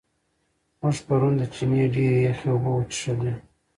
موږ پرون د چینې ډېرې یخې اوبه وڅښلې.